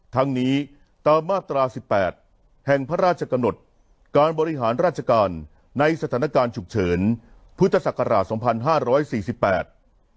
ทั้งนี้ตามมาตรา๑๘แห่งพระราชกระหนดการบริหารราชการในสถานการณ์ฉุกเฉินพุทธศักราช๒๕๔๘